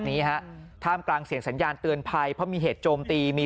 นี้ฮะท่ามกลางเสียงสัญญาณเตือนภัยเพราะมีเหตุโจมตีมี